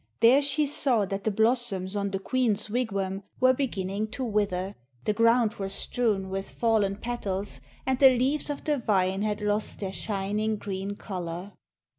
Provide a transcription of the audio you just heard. There she saw that the blossoms on the queen's wigwam were beginning to wither, the ground was strewn with fallen petals, and the leaves of the vine had lost their shining green colour.